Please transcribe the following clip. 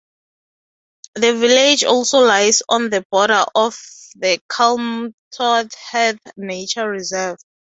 The village also lies on the border of the Kalmthout Heath nature reserve.